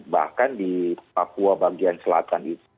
bahkan di papua bagian selatan itu